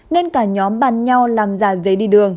nên cả nhóm bàn nhau làm giả giấy đi đường